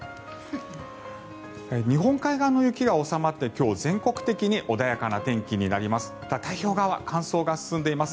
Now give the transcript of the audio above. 日本海側の雪は収まって今日は全国的に穏やかな天気になります。